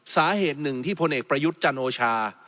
สาเหตุหนึ่งที่พลเอกประยุทธ์จันโอชา